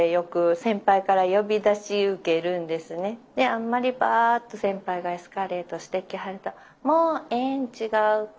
あんまりばっと先輩がエスカレートしてきはると「もうええん違うか？